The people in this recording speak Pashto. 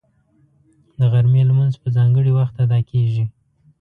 د غرمې لمونځ په ځانګړي وخت ادا کېږي